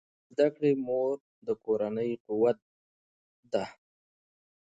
د زده کړې مور د کورنۍ قوت ده.